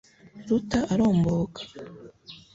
ruta aromboka